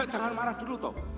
jangan marah dulu tau